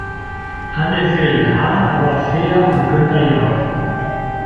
Anne Will, hart aber fair und Günther Jauch.